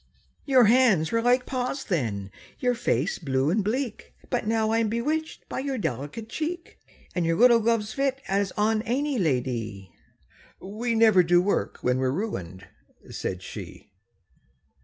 —"Your hands were like paws then, your face blue and bleak, But now I'm bewitched by your delicate cheek, And your little gloves fit as on any la dy!"— "We never do work when we're ruined," said she.